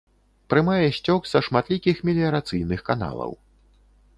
Прымае сцёк са шматлікіх меліярацыйных каналаў.